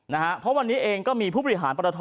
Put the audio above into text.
นะฮะเพราะวันนี้เองก็มีผู้บริหารปรท